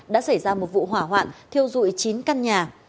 đã xảy ra một vụ hỏa hoạn thiêu dụi chín căn nhà